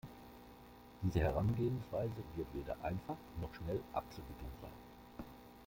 Diese Herangehensweise wird weder einfach noch schnell abzuwickeln sein.